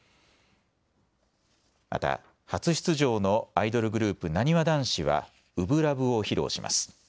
また初出場のアイドルグループ、なにわ男子は初心ＬＯＶＥを披露します。